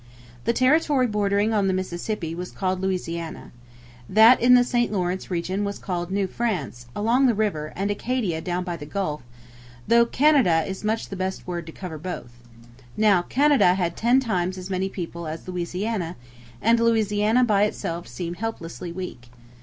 The territory bordering on the Mississippi was called Louisiana. That in the St Lawrence region was called New France along the river and Acadia down by the Gulf; though Canada is much the best word to cover both. Now, Canada had ten times as many people as Louisiana; and Louisiana by itself seemed helplessly weak.